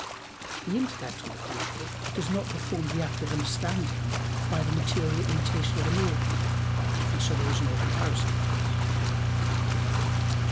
The intellect, on the contrary, does not perform the act of understanding by the material immutation of an organ; and so there is no comparison.